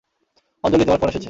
আঞ্জলি তোমার ফোন এসেছে।